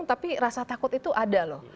tapi rasa takut itu ada loh